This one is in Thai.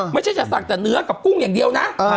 ไม่ใช่จะสั่งแต่เนื้อกับกุ้งอย่างเดียวนะ